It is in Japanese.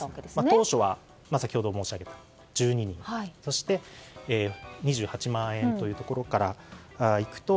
当初は先ほど申し上げた１２人そして２８万円というところからいくと